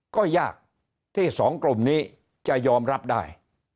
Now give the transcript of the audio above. ก็ยากที่สองกลุ่มนี้จะยอมรับได้